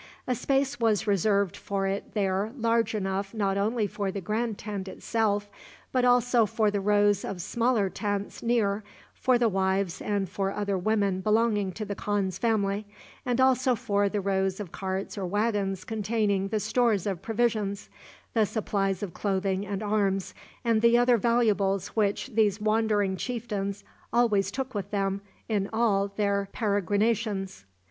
A space was reserved for it there large enough not only for the grand tent itself, but also for the rows of smaller tents near, for the wives and for other women belonging to the khan's family, and also for the rows of carts or wagons containing the stores of provisions, the supplies of clothing and arms, and the other valuables which these wandering chieftains always took with them in all their peregrinations.